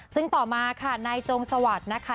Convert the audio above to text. ซึ่งต่อมาค่ะนายจงสวัสดิ์นะคะ